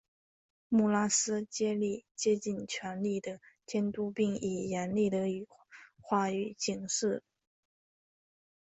穆拉利竭尽全力地监督并以严厉的话语警示福特所面临的困境。